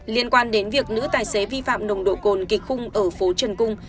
liên quan đến việc nữ tài xế vi phạm nồng độ cồn kịch khung ở phố trần cung